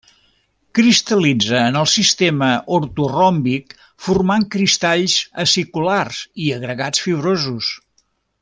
Cristal·litza en el sistema ortoròmbic, formant cristalls aciculars i agregats fibrosos.